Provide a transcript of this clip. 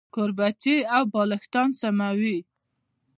کوربچې او بالښتان سموي.